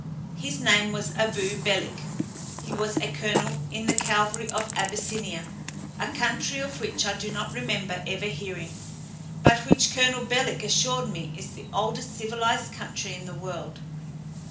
His name was Abu Belik. He was a colonel in the cavalry of Abyssinia, a country of which I do not remember ever hearing, but which Colonel Belik assured me is the oldest civilized country in the world.